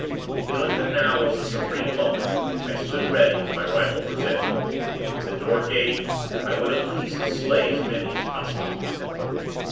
Feeling that now was the supreme moment, I stood ready, with my rifle presented. If the door gave, I would, at least, slay as many as possible.